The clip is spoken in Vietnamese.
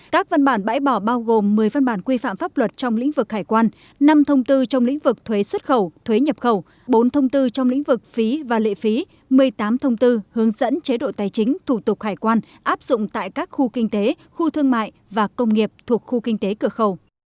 các văn bản bãi bỏ bao gồm một mươi văn bản quy phạm pháp luật trong lĩnh vực hải quan năm thông tư trong lĩnh vực thuế xuất khẩu thuế nhập khẩu bốn thông tư trong lĩnh vực phí và lệ phí một mươi tám thông tư hướng dẫn chế độ tài chính thủ tục hải quan áp dụng tại các khu kinh tế khu thương mại và công nghiệp thuộc khu kinh tế cửa khẩu